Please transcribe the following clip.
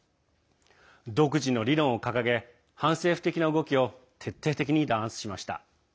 独自の理論を掲げ反政府的な動きを徹底的に弾圧しました。